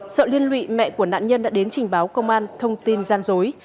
sợ liên lụy mẹ của nạn nhân đã đến trình báo công an thông tin gian dối